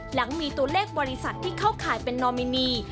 หลังมีตัวเลขบริษัทที่เข้าข่ายเป็นนอมินี